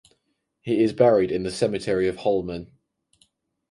He is buried in the Cemetery of Holmen.